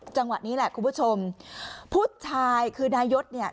จังหวะนี้แหละคุณผู้ชมผู้ชายคือนายศเนี่ย